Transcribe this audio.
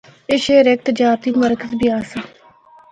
اے شہر ہک تجارتی مرکز بھی آسا۔